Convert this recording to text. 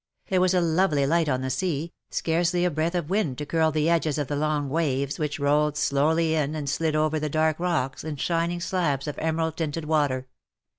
There was a lovely light on the sea, scarcely a breath of wind to curl the edges of the long waves which rolled slowly in and slid over the dark rocks in shining slabs of emerald tinted water.